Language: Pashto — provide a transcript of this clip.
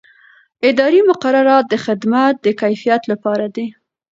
اداري مقررات د خدمت د کیفیت لپاره دي.